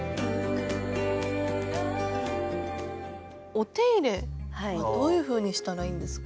お手入れはどういうふうにしたらいいんですか？